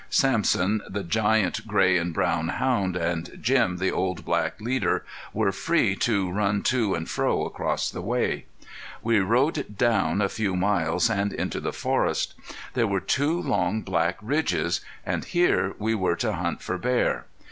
Sampson, the giant gray and brown hound, and Jim, the old black leader, were free to run to and fro across the way. We rode down a few miles, and into the forest. There were two long, black ridges, and here we were to hunt for bear.